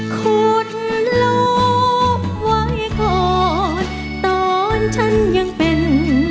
ขุดลบไว้ก่อนตอนฉันยังเป็น